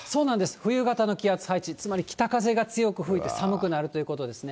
冬型の気圧配置、つまり北風が強く吹いて寒くなるということですね。